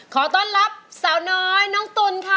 ขอต้อนรับสาวน้อยน้องตุ๋นค่ะ